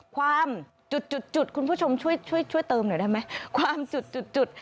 ความจุด